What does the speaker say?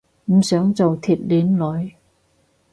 唔想做鐵鏈女